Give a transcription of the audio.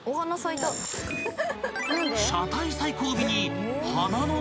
［車体最後尾に］